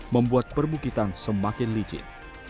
membuat perbukitan semakin licin